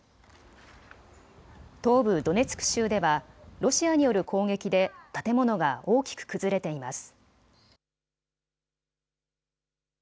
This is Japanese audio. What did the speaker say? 東部ドネツク州ではロシアによる攻撃で建物が大きく崩れています。